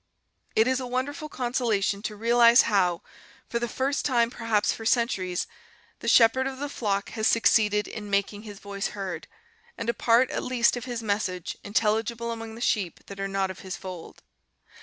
. "It is a wonderful consolation to realize how, for the first time perhaps for centuries, the Shepherd of the flock has succeeded in making his voice heard, and a part, at least, of his message intelligible among the sheep that are not of his fold.